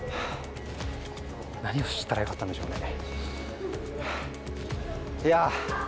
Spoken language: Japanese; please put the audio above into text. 何をしたらよかったんでしょうね。